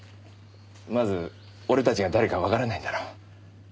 まず俺たちが誰かわからないんだろ。